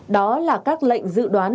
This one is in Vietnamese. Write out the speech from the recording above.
đó là các lệnh dự đoán